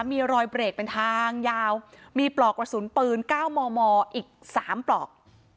มีรอยเบรกเป็นทางยาวมีปลอกกระสุนปืน๙มมอีก๓ปลอก